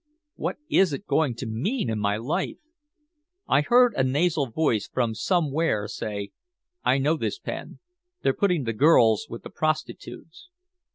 What is it going to mean in my life?" I heard a nasal voice from somewhere say: "I know this pen. They're putting the girls with the prostitutes."